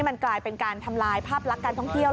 มันกลายเป็นการทำลายภาพลักษณ์การท่องเที่ยว